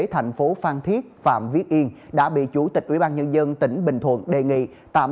thành phố phan thiết phạm viết yên đã bị chủ tịch ủy ban nhân dân tỉnh bình thuận đề nghị tạm